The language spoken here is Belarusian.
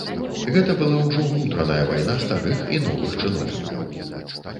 Гэта была ўжо ўнутраная вайна старых і новых чыноўнікаў.